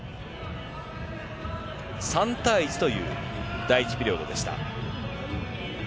３対１という第１ピリオドでした。